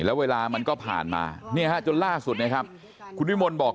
และเวลามันก็ผ่านมานี่จนล่าสุดคุณทฤมนบ่นบอก